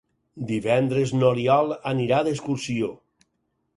Divendres n'Oriol anirà d'excursió.